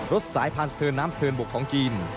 รถสายพันธุ์สเติร์นน้ำสเติร์นบกของจีน